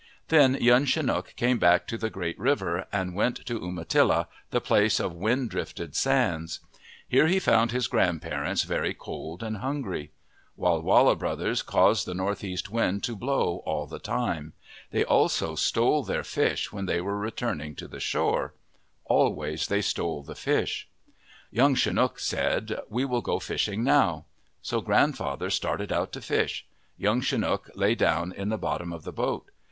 Then Young Chinook came back to the Great River and went to Umatilla, the place of wind drifted sands. Here he found his grandparents very cold and hungry. Walla Walla brothers caused the north east wind to blow all the time. They also stole their 71 MYTHS AND LEGENDS fish, when they were returning to the shore. Always they stole the fish. Young Chinook said :" We will go fishing now." So grandfather started out to fish. Young Chinook lay down in the bottom of the boat.